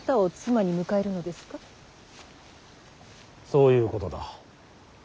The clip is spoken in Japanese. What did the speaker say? そういうことだ。